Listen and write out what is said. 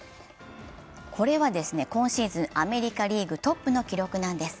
これは今シーズンアメリカリーグトップの記録なんです。